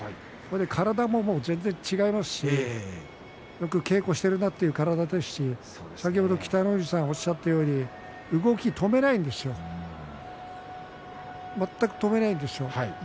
体も全然違いますしよく稽古しているなという体ですし先ほど北の富士さんがおっしゃったように動きを止めないんですよ全く止めないんですよ。